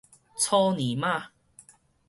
草泥馬